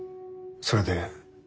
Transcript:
それで？